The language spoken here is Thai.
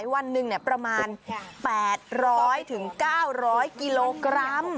วันหนึ่งประมาณ๘๐๐๙๐๐กิโลกรัม